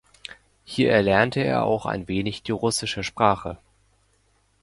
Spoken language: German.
Hier erlernte er auch ein wenig die russische Sprache.